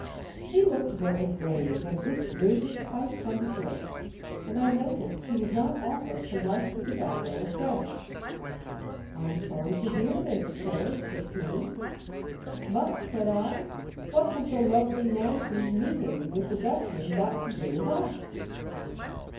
He looked very grave, and withdrew his pipe from his lips, and I noticed he did not offer to light the tobacco afresh. " I'm sorry to hear this, sir," says he. "But," said I, "what has the Lovely Nancy's meeting with the Dutchman got to do with us